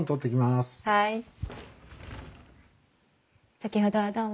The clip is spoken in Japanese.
先ほどはどうも。